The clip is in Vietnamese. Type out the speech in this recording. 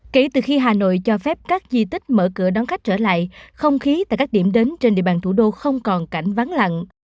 kể từ khi hà nội cho phép các di tích mở cửa đón khách trở lại không khí tại các điểm đến trên địa bàn thủ đô không còn cảnh vắng lặng